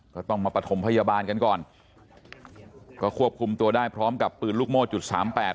ก็ต้องมาประถมพยาบาลกันก่อนก็ควบคุมตัวได้พร้อมกับปืนลูกโม่จุดสามแปด